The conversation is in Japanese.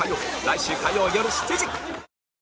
来週火曜よる７時